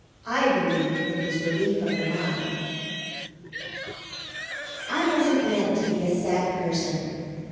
I believe it was Relief of the Mind. I wasn't meant to be a sad person.